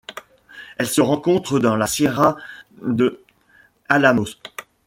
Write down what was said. Elle se rencontre dans la Sierra de Álamos.